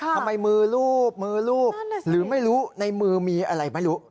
ทำไมมือรูปมือรูปนั่นแหละสิหรือไม่รู้ในมือมีอะไรไม่รู้